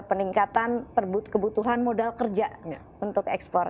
peningkatan kebutuhan modal kerja untuk ekspor